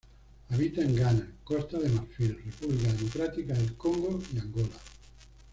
Habita en Ghana, Costa de Marfil, República Democrática del Congo y Angola.